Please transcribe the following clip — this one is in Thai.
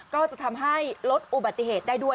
ก็จะทำให้ลดอุบัติเหตุได้ด้วย